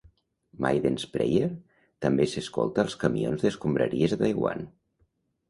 "Maiden's Prayer" també s'escolta als camions d'escombraries a Taiwan.